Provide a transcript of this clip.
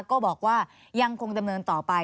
ก็บอกว่ายังคงดำเนินต่อไป